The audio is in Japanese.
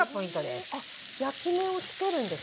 あっ焼き目をつけるんですね